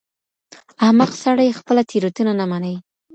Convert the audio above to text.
احمق سړی خپله تېروتنه نه مني.